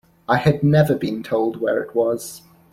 I had never been told where it was.